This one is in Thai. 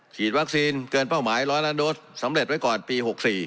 ฉีดวัคซีนเกินเป้าหมาย๑๐๐ล้านโดสสำเร็จไว้ก่อนปี๖๔